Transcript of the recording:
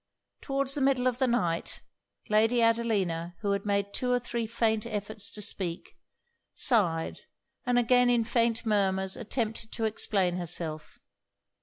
Towards the middle of the night, Lady Adelina, who had made two or three faint efforts to speak, sighed, and again in faint murmurs attempted to explain herself.